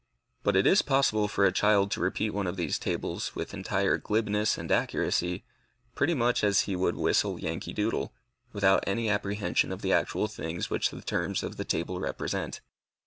But it is possible for a child to repeat one of these tables with entire glibness and accuracy, pretty much as he would whistle Yankee Doodle, without any apprehension of the actual things which the terms of the table represent.